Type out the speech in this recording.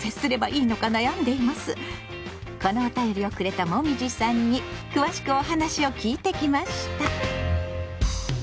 このおたよりをくれたもみじさんに詳しくお話を聞いてきました。